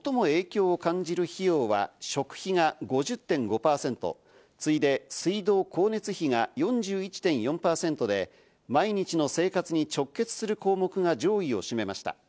最も影響を感じる費用は、食費が５０．５％、次いで水道・光熱費が４１．４％で毎日の生活に直結する項目が上位を占めました。